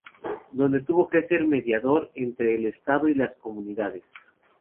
Donde tuvo que ser mediador entre el Estado y las comunidades.